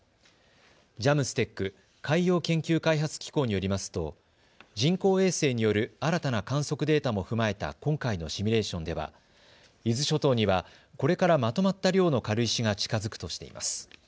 ＪＡＭＳＴＥＣ・海洋研究開発機構によりますと人工衛星による新たな観測データも踏まえた今回のシミュレーションでは伊豆諸島にはこれからまとまった量の軽石が近づくとしています。